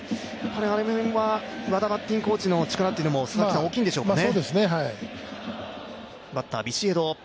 要因は和田バッティングコーチの力というのも大きいんでしょうかね。